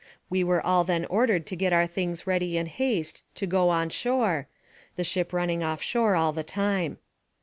We were all then ordered to get our things ready in haste, to go on shore, the ship running off shore all the time.